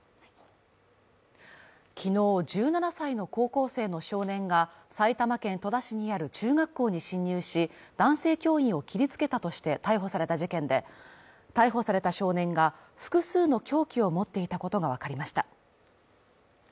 昨日１７歳の高校生の少年が、埼玉県戸田市にある中学校に侵入し、男性教員を切り付けたとして逮捕された事件で、逮捕された少年が、複数の凶器を持っていたことがわかりました。